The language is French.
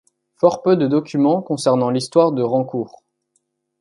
Fort peu de documents concernent l'histoire de Rancourt.